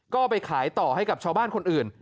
ก็ไปขายต่อให้กับชาวบ้านคนอื่น